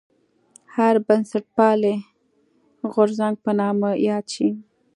هر بنسټپالی غورځنګ په نامه یاد شي.